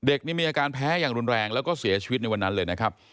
มีอาการแพ้อย่างรุนแรงแล้วก็เสียชีวิตในวันนั้นเลยนะครับ